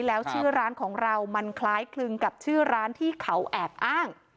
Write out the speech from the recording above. แล้วชื่อร้านของเรามันคล้ายคลึงกับชื่อร้านที่เขาแอบอ้าง